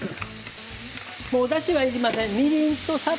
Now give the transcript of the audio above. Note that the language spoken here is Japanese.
だしはいりません。